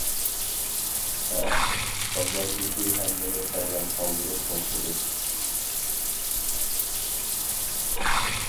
ھەئە، بازاردىكى ھەممىنى ھەيران قالدۇرۇپ توختىدى.